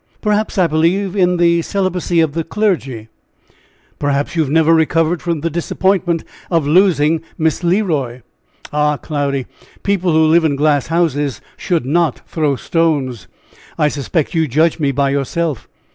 "Perhaps I believe in the celibacy of the clergy." "Perhaps you have never recovered the disappointment of losing Miss Le Roy?" "Ah! Cloudy, people who live in glass houses should not throw stones; I suspect you judge me by yourself.